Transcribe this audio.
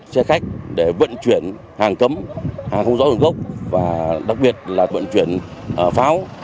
xe khách để vận chuyển hàng cấm hàng không rõ nguồn gốc và đặc biệt là vận chuyển pháo